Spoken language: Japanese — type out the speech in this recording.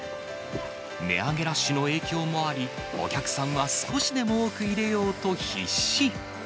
値上げラッシュの影響もあり、お客さんは少しでも多く入れようと必死。